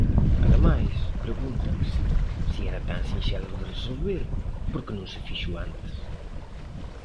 Ademais, pregúntanse "se era tan sinxelo de resolver, por que non se fixo antes".